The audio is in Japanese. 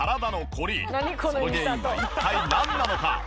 その原因は一体なんなのか？